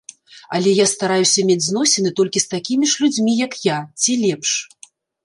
Але я стараюся мець зносіны толькі з такімі ж людзьмі, як я, ці лепш.